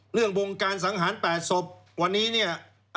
เรื่องการสังหารแปดศพวันนี้เนี่ย